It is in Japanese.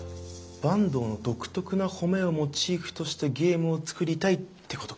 坂東の独特な褒めをモチーフとしたゲームを作りたいってことか。